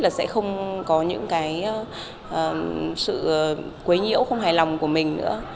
và sẽ không có những sự quấy nhiễu không hài lòng của mình nữa